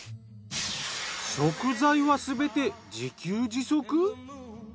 食材はすべて自給自足？